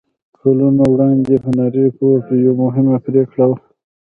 کلونه وړاندې هنري فورډ يوه مهمه پرېکړه وکړه.